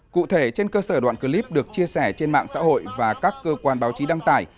cụ thể trên cơ sở đoạn clip được chia sẻ trên mạng xã hội và các cơ quan báo chí đăng tải